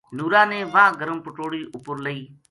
نُورا نے واہ گرم پٹوڑی اُپر لئی